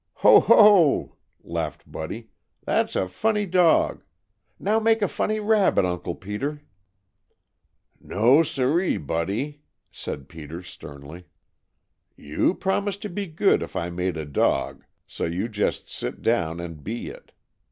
"Ho, ho!" laughed Buddy; "that's a funny dog! Now make a funny rabbit, Uncle Peter." "No, siree, Buddy!" said Peter sternly. "You promised to be good if I made a dog, so you just sit down and be it.